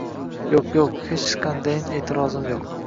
Yo’q, yo’q, hech qandayin etirozim yo’q.